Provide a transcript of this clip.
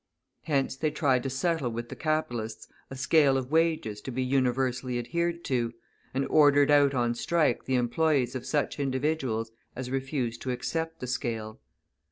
Hence they tried to settle with the capitalists a scale of wages to be universally adhered to, and ordered out on strike the employees of such individuals as refused to accept the scale.